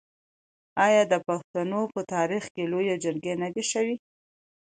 آیا د پښتنو په تاریخ کې لویې جرګې نه دي شوي؟